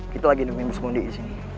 kita lagi nungguin bos mondi disini